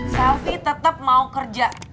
selfie tetap mau kerja